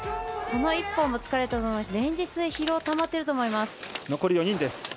この１本も疲れたと思うし連日、疲労たまっていると思います。